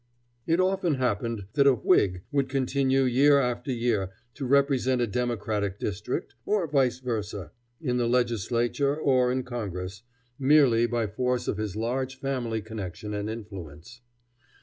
It often happened that a Whig would continue year after year to represent a Democratic district, or vice versa, in the Legislature or in Congress, merely by force of his large family connection and influence.